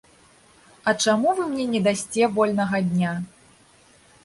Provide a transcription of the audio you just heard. А чаму вы мне не дасце вольнага дня?